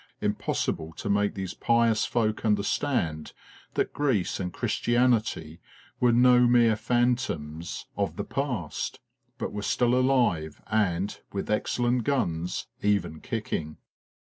Impossible to make these pious folk understand that Greece and Christianity were no mere phantoms of 76 FORGOTTEN WARFARE the past, but were still alive, and, with excellent guns, even kicking.